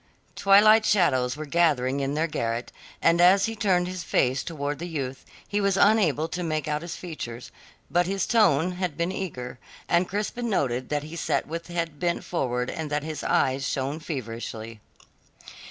Twilight shadows were gathering in their garret, and as he turned his face towards the youth, he was unable to make out his features; but his tone had been eager, and Crispin noted that he sat with head bent forward and that his eyes shone feverishly.